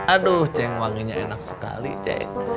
aduh ceng wanginya enak sekali cek